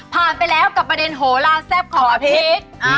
ไปแล้วกับประเด็นโหลาแซ่บของอภิก